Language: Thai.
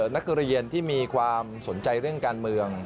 นักเรียนที่มีความสนใจเรื่องการเมือง